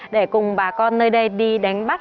để cùng bà con nơi đây đi đánh bắt